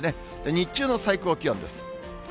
日中の最高気温です。